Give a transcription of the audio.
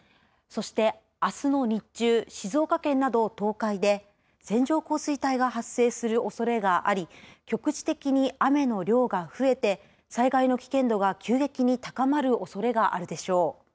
そしてあすの日中、静岡県など東海で線状降水帯が発生するおそれがあり、局地的に雨の量が増えて災害の危険度が急激に高まるおそれがあるでしょう。